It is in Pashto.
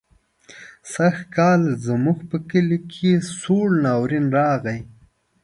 سږکال زموږ په کلي کې سوړ ناورين راغی.